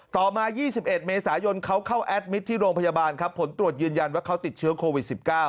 ต่อมา๒๑เมษายนเขาเข้าแอดมิตรที่โรงพยาบาลครับผลตรวจยืนยันว่าเขาติดเชื้อโควิด๑๙